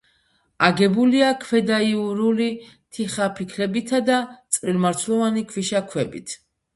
აგებულია ქვედაიურული თიხაფიქლებითა და წვრილმარცვლოვანი ქვიშაქვებით.